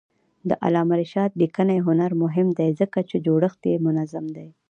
د علامه رشاد لیکنی هنر مهم دی ځکه چې جوړښت یې منظم دی.